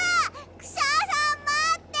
クシャさんまって！